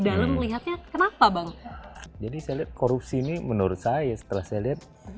dalam melihatnya kenapa bang jadi saya lihat korupsi ini menurut saya setelah saya lihat